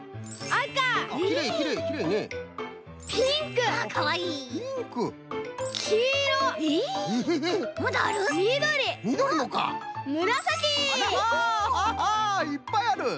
あアハハいっぱいある。